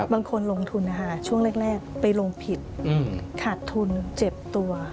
บางคนลงทุนนะคะช่วงแรกไปลงผิดขาดทุนเจ็บตัว